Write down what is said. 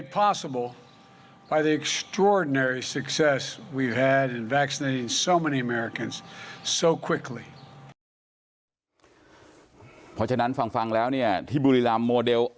เพราะฉะนั้นฟังแล้วเนี่ยที่บุรีรำโมเดล